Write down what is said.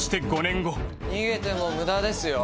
逃げても無駄ですよ。